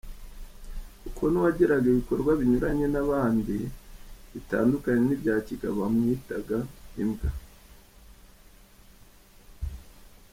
Kuko n’uwagiraga ibikorwa binyuranye n’abandi, bitandukanye n’ibya kigabo bamwitaga imbwa.